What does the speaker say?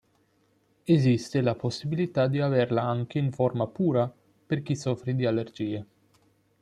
Esiste la possibilità di averla anche in forma pura per chi soffre di allergie.